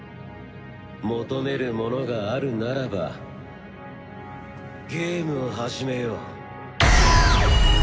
求めるものがあるならばゲームを始めよう。